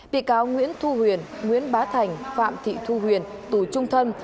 bị cáo nguyễn thu huyền nguyễn bá thành phạm thị thu huyền tù trung thân